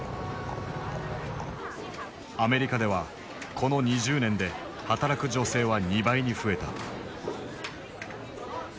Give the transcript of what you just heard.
アメリカではこの２０年で働く女性は２倍に増えた。